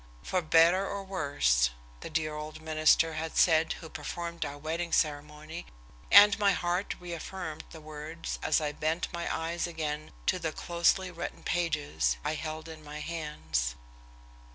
"For better or worse," the dear old minister had said who performed our wedding ceremony, and my heart reaffirmed the words as I bent my eyes again to the closely written pages I held in my hands.